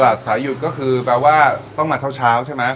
อ่อตลาดสายหยุดก็คือเปล่าว่าต้องมาเท่าเช้าใช่ไหม